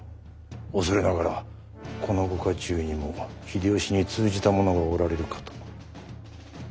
恐れながらこのご家中にも秀吉に通じた者がおられるかと。